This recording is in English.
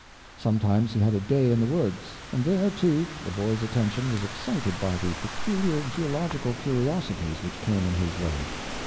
Sometimes he had a day in the woods, and there, too, the boy's atten tion was excited by the pecular geological curiosities which came in his way.